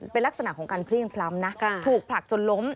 เป็นลักษณะของการเพลี่ยงพล้ำนะถูกผลักจนล้ม